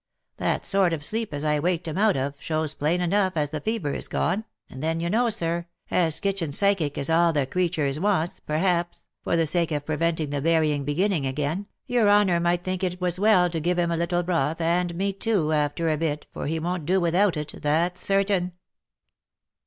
That sort of sleep as I waked him out of, shows plain enough as the fever is gone, and then you know, sir, as kitchen physic is all the cretur's wants, perhaps, for the sake of preventing the burying beginning again, your honour might think it was as well to give him a little broth, and meat, too, after a bit, for he won't do without it, that's certain."